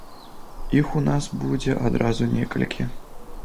Іх у нас будзе адразу некалькі.